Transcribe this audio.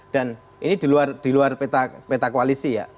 dan ini di luar peta koalisi ya